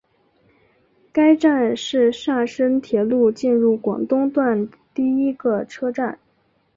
该站是厦深铁路进入广东段第一个车站。